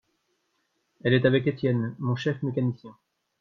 Elle est avec Etienne, mon chef mécanicien.